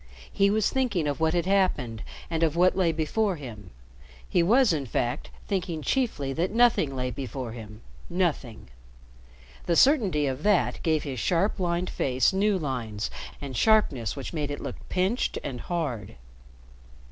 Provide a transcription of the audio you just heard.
He was thinking of what had happened and of what lay before him. He was, in fact, thinking chiefly that nothing lay before him nothing. The certainty of that gave his sharp, lined face new lines and sharpness which made it look pinched and hard.